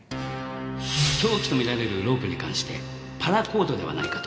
凶器と見られるロープに関してパラコードではないかと。